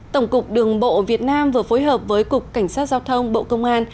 tổng cục đường bộ việt nam vừa phối hợp với cục cảnh sát giao thông bộ công an